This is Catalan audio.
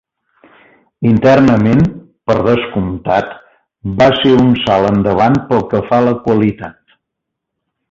Internament, per descomptat, va ser un salt endavant pel que fa a la qualitat.